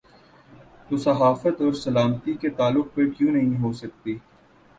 تو صحافت اور سلامتی کے تعلق پر کیوں نہیں ہو سکتی؟